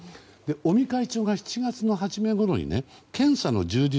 尾身会長が７月の初めごろに検査の充実